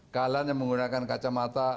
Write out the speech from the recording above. kalian yang menggunakan kacamata